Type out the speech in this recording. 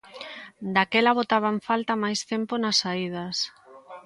Daquela botaba en falta máis tempo nas saídas.